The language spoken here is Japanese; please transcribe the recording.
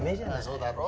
そうだろ？